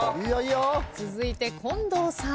続いて近藤さん。